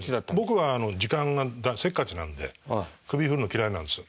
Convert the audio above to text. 僕は時間がせっかちなんで首振るの嫌いなんですよ。